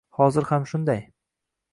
Hozir ham shunday